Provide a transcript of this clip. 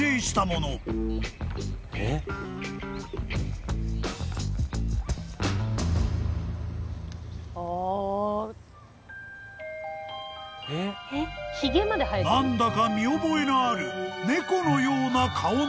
［何だか見覚えのある猫のような顔の石］